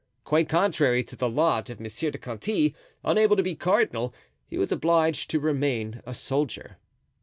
Quite contrary to the lot of Monsieur de Conti, unable to be cardinal, he was obliged to remain a soldier.